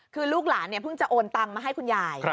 คือลูกหลานเนี่ยเพิ่งจะโอนตังมาให้คุณยาย